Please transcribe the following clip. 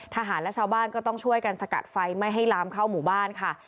ทหารและชาวบ้านก็ต้องช่วยกันสกัดไฟไม่ให้ลามเข้าหมู่บ้านค่ะ